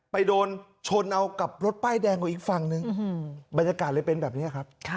ไปโดนชนเอากับรถป้ายแดงของอีกฝั่งนึงบรรยากาศเลยเป็นแบบนี้ครับ